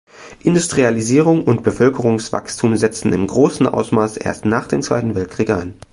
Industrialisierung und Bevölkerungswachstum setzten im großen Ausmaß erst nach dem Zweiten Weltkrieg ein.